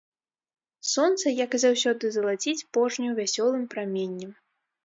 Сонца, як і заўсёды, залаціць пожню вясёлым праменнем.